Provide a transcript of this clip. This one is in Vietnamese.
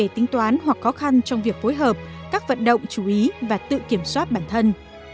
tính toán hoặc khó khăn trong việc phối hợp các vận động chú ý và tự kiểm soát bản thân